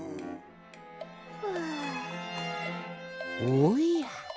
おや。